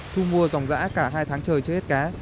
thu mua dòng giã cả hai tháng trời cho hết cá